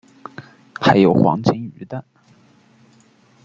还有黄金鱼蛋